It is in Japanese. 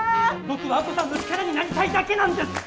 僕は亜子さんの力になりたいだけなんです！